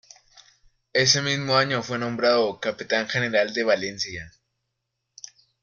Ese mismo año fue nombrado capitán general de Valencia.